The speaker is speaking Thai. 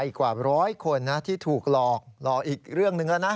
อีกกว่าร้อยคนที่ถูกหลอกหลอกอีกเรื่องหนึ่งแล้วนะ